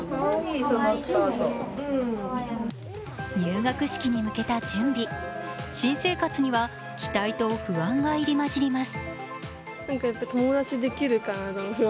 入学式に向けた準備、新生活には期待と不安が入り交じります。